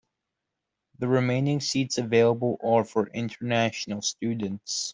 The remaining seats available are for international students.